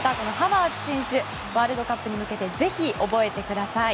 ワールドカップに向けてぜひ、覚えてください。